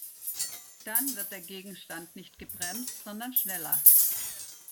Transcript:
Dann wird der Gegenstand nicht gebremst, sondern schneller.